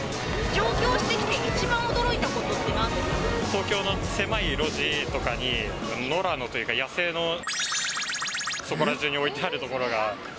上京してきて、一番驚いたこ東京の狭い路地とかに、野良のというか、野生の×××、そこらじゅうに置いてある所が。